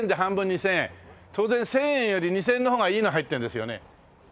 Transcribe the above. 当然１０００円より２０００円の方がいいの入ってるんですよね？